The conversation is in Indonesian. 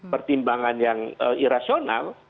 pertimbangan yang irasional